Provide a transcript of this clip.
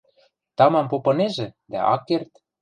Тамам попынежӹ, дӓ ак керд.